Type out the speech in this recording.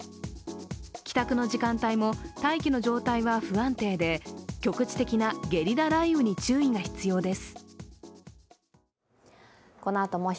帰宅の時間帯も大気の状態は不安定で、局地的なゲリラ雷雨に注意が必要です。